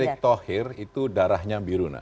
erick thohir itu darahnya biru